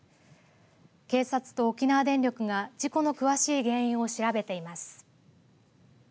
警察と沖縄電力が事故の詳しい原因を調べています。